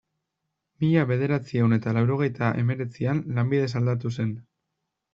Mila bederatziehun eta laurogeita hemeretzian, lanbidez aldatu zen.